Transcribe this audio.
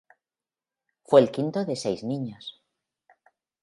Fue el quinto de seis niños.